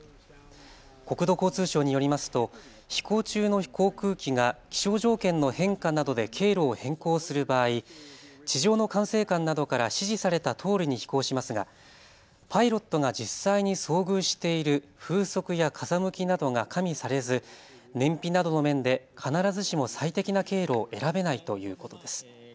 国土交通省によりますと飛行中の航空機が気象条件の変化などで経路を変更する場合、地上の管制官などから指示されたとおりに飛行しますがパイロットが実際に遭遇している風速や風向きなどが加味されず燃費などの面で必ずしも最適な経路を選べないということです。